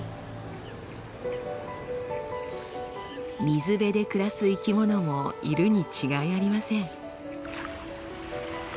水辺で暮らす生き物もいるに違いありません。